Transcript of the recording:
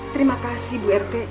terima kasih bu rt